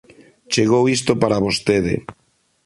Chegou isto para vostede.